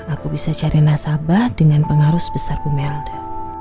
aku bisa cari nasabah dengan pengarus besar bu melda